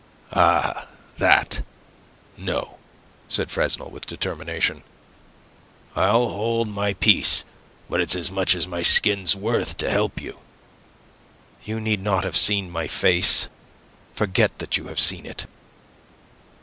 "Ah, that, no," said Fresnel, with determination. "I'll hold my peace, but it's as much as my skin is worth to help you. "You need not have seen my face. Forget that you have seen it."